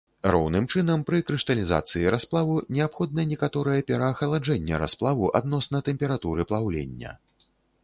Роўным чынам пры крышталізацыі расплаву неабходна некаторае пераахаладжэнне расплаву адносна тэмпературы плаўлення.